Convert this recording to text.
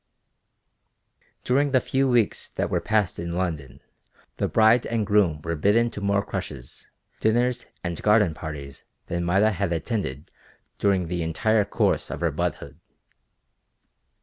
During the few weeks that were passed in London the bride and groom were bidden to more crushes, dinners and garden parties than Maida had attended during the entire course of her bud hood.